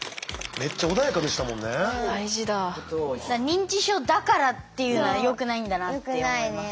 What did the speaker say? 認知症だからっていうのはよくないんだなって思います。